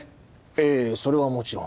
ええそれはもちろん。